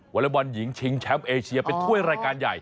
อเล็กบอลหญิงชิงแชมป์เอเชียเป็นถ้วยรายการใหญ่